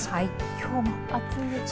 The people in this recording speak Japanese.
きょうも暑いですね。